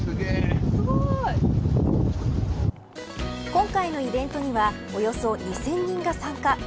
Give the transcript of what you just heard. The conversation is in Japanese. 今回のイベントにはおよそ２０００人が参加。